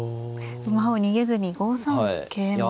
馬を逃げずに５三桂馬です。